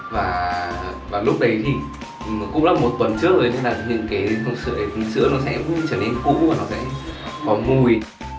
và lúc đấy thì cũng là một tuần trước rồi nên là những cái hút sữa nó sẽ trở nên hũ và nó sẽ có mùi